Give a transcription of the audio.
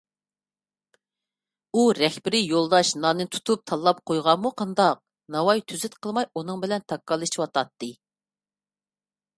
ئۇ رەھبىرىي يولداش ناننى تۇتۇپ تاللاپ قويغانمۇ قانداق، ناۋاي تۈزۈت قىلماي ئۇنىڭ بىلەن تاكاللىشىۋاتاتتى.